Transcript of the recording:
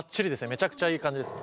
めちゃくちゃいい感じです。